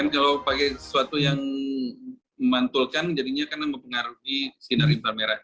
kalau pakai sesuatu yang memantulkan jadinya akan mempengaruhi sinar inframerah tadi